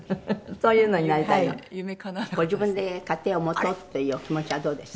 そういうのになりたいの」「ご自分で家庭を持とうっていうお気持ちはどうです？」